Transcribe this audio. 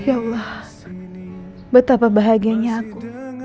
ya allah betapa bahagianya aku